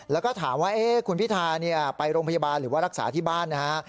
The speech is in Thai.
แล้วก็ถามว่าคุณพิธาไปโรงพยาบาลหรือว่ารักษาที่บ้านนะฮะ